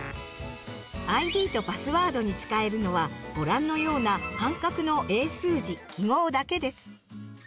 ＩＤとパスワードに使えるのはご覧のような半角の英数字・記号だけです。